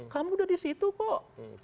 kamu udah di situ kok